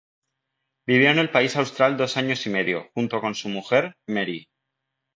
Vivió en el país austral dos años y medio, junto con su mujer, Marie.